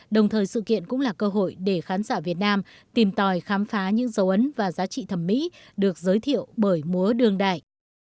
đồng thời sự kiện cũng là cơ hội để khán giả việt nam tìm tòi khám phá những dấu ấn và giá trị thẩm mỹ được giới thiệu bởi múa đường đại